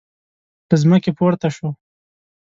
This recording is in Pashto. له ځمکې پورته شو.